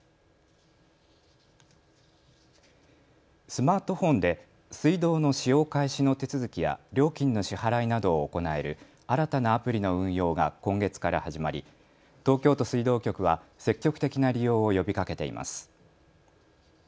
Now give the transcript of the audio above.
スマートフォンで水道の使用開始の手続きや料金の支払いなどを行える新たなアプリの運用が今月から始まり東京都水道局は積極的な利用を呼びかけています。